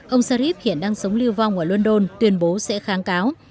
ông sharif hiện đang sống lưu vong ở london tuyên bố sẽ kháng cáo